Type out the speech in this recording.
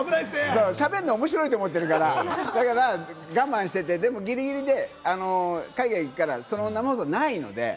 喋んの面白いと思ってるから、だから我慢してて、でもギリギリで海外行くから、生放送ないので。